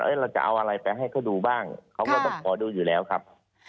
เราจะเอาอะไรไปให้เขาดูบ้างเขาก็ต้องขอดูอยู่แล้วครับ